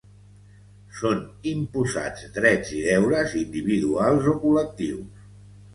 Són imposats drets i deures individuals o col·lectius.